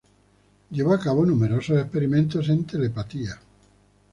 Llevó a cabo numerosos experimentos en telepatía.